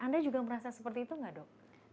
anda juga merasa seperti itu nggak dok